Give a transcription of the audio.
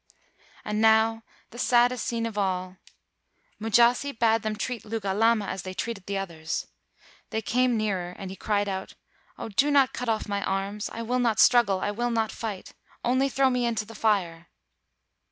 "And now the saddest scene of all. Mu 216 THREE BOY HEROES jasi bade them treat Lugalama as they treated the others. They came nearer, and he cried out, 'Oh, do not cut off my arms; I will not struggle — I will not fight ! Only throw me into the fire!'